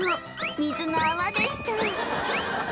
水の泡でした